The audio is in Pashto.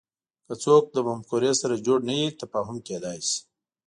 که څوک له مفکورې سره جوړ نه وي تفاهم کېدای شي